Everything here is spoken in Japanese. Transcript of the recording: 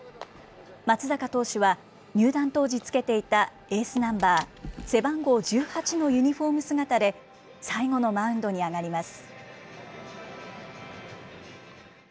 松坂投手は入団当時つけていたエースナンバー背番号１８のユニホーム姿で、最後のマウンドに上がります。